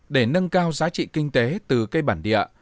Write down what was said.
để nâng cao giá trị kinh tế từ cây bản địa